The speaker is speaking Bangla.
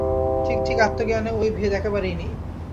ঠিক ঠিক আত্মজ্ঞানে ঐ ভেদ একেবারেই নেই।